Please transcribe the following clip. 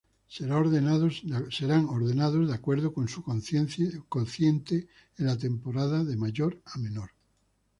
Serán ordenados de acuerdo con su cociente en la temporada de mayor a menor.